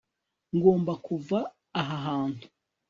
ngomba kuva aha hantu